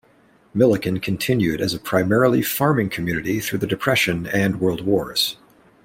Milliken continued as a primarily farming community through the depression and world wars.